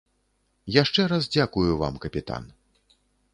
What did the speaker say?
Яшчэ раз дзякую вам, капітан.